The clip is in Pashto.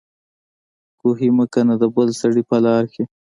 کوهي مه کينه دبل سړي په لار کي